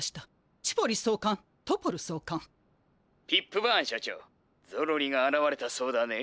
「ピップバーン署長ゾロリがあらわれたそうだね」。